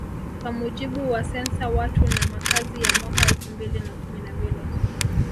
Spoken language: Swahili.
Kwa mujibu wasensa Watu na Makazi ya mwaka elfu mbili na kumi na mbili